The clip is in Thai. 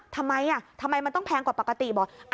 ทำไมมันต้องแพงกว่าปกติบ่